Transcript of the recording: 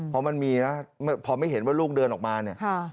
เพราะมันมีนะพอไม่เห็นว่าลูกเดินออกมาเนี่ย